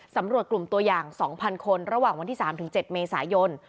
ตำรวจกลุ่มตัวอย่าง๒๐๐คนระหว่างวันที่๓๗เมษายน